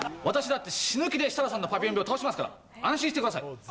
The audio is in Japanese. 「私だって死ぬ気で設楽さんのパピヨン病倒しますから安心してください」